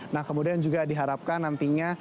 nah kemudian juga diharapkan nantinya